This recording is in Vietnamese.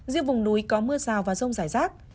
riêng vùng núi có mưa rào và rông rải rác